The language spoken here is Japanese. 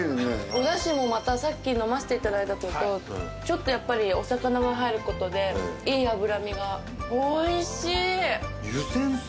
おだしもまたさっき飲ませて頂いたけどちょっとやっぱりお魚が入る事でいい脂身が。